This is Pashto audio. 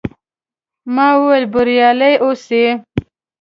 ما وویل، بریالي اوسئ.